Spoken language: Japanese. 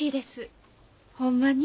ほんまに？